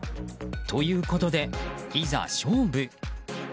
ということで、いざ勝負！